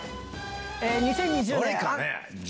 ２０２０年。